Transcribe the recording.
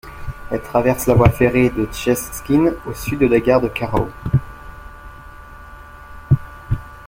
Elle traverse la voie ferrée de Szczecin au sud de la gare de Karow.